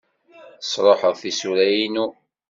Sṛuḥeɣ tisura-inu.